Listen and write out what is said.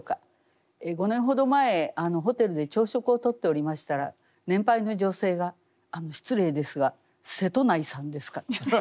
５年ほど前ホテルで朝食をとっておりましたら年配の女性が「失礼ですが瀬戸内さんですか？」